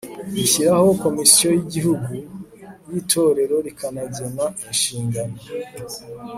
rishyiraho komisiyo y'igihugu y'itorero rikanagena inshingano